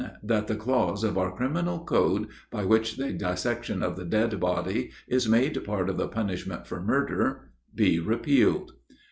That the clause of our criminal code, by which the dissection of the dead body is made part of the punishment for murder, be repealed.